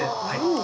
はい。